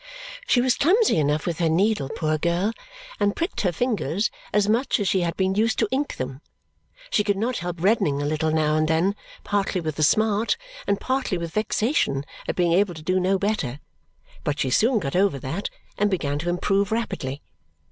She was clumsy enough with her needle, poor girl, and pricked her fingers as much as she had been used to ink them. She could not help reddening a little now and then, partly with the smart and partly with vexation at being able to do no better, but she soon got over that and began to improve rapidly.